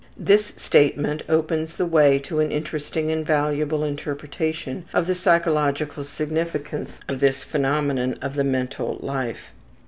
This statement opens the way to an interesting and valuable interpretation of the psychological significance of this phenomenon of the mental life.